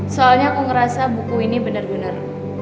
soalnya aku ngerasa buku ini bener bener